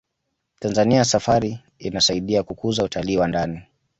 tanzania safari insaidia kukuza utalii wa ndani